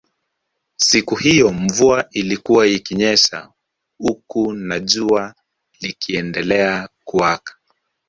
Siku hiyo mvua ilikuwa ikinyesha huku na jua likiendelea kuwaka